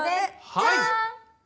はい！